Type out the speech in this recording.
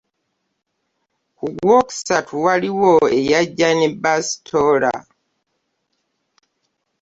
Ku gwokusatu waliwo eyajja ne bbaasitoola.